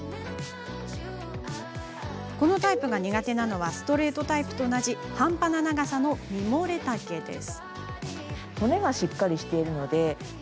このタイプが苦手なのはストレートタイプと同じ半端な長さのミモレ丈です。